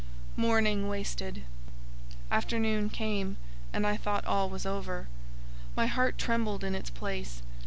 Morning wasted. Afternoon came, and I thought all was over. My heart trembled in its place.